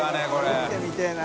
食ってみてぇな。